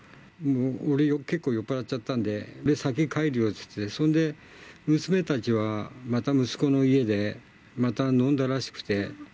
俺は結構、酔っぱらっちゃったんで、先帰るよって言って、そんで、娘たちはまた息子の家で、また飲んだらしくて。